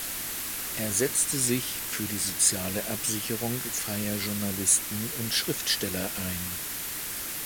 Er setzte sich für die soziale Absicherung freier Journalisten und Schriftsteller ein.